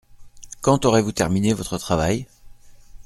Quand aurez-vous terminé votre travail ?